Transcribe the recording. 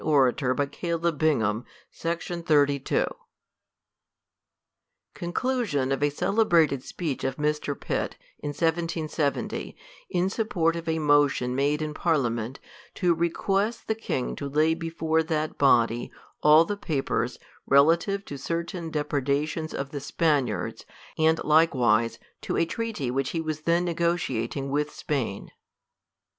[Exeunt omnes. Conclusion THE COLUMBIAN ORATOR. 119 Conclusion of a celebrated Speech of Mr. Pitt, IN 1770, IN Support of a Motion made in Par liament, TO request the King to lay before THAT Body all the Papers, relative to cer^ tain Depredations of the Spaniards, and likewise, to a Treaty which he was then ne* gociating with spain.